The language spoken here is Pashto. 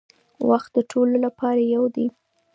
وخت د ټولو لپاره یو دی.